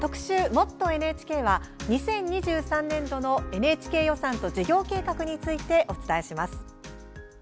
「もっとＮＨＫ」は２０２３年度のＮＨＫ予算と事業計画についてお伝えします。